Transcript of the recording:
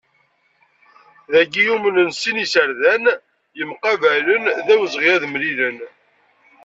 Dagi umnen sin yiserdan yemqabalen d awezɣi ad mlilen.